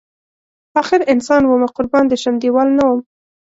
اخر انسان ومه قربان دی شم دیوال نه وم